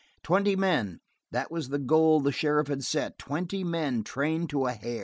Twenty men, that was the goal the sheriff had set. Twenty men trained to a hair.